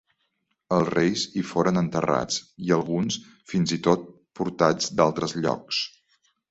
Els reis hi foren enterrats i alguns fins i tot portats d'altres llocs.